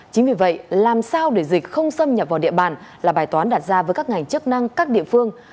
chính vì vậy làm sao để dịch không xâm nhập vào địa bàn là bài toán đặt ra với các ngành chức năng các địa phương